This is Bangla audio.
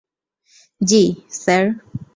জ্বী, স্যার!